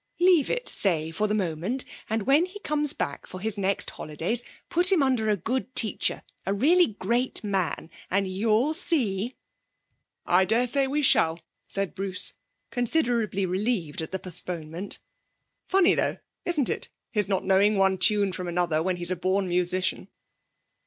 'Leave it, say, for the moment, and when he comes back for his next holidays put him under a good teacher a really great man. And you'll see!' 'I daresay we shall,' said Bruce, considerably relieved at the postponement. 'Funny though, isn't it, his not knowing one tune from another, when he's a born musician?'